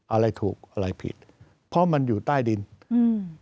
อะไรถูกอะไรผิดเพราะมันอยู่ใต้ดินอืม